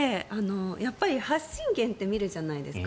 発信源って見るじゃないですか。